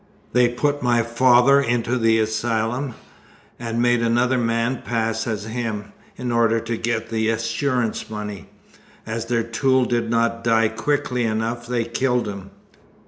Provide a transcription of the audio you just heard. They put my father into the asylum, and made another man pass as him, in order to get the assurance money. As their tool did not die quickly enough, they killed him."